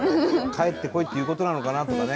帰ってこいっていうことなのかなとかね。